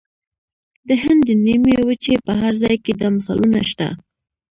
د هند د نیمې وچې په هر ځای کې دا مثالونه شته.